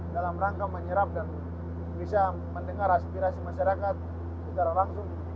dalam rangka menyerap dan bisa mendengar aspirasi masyarakat secara langsung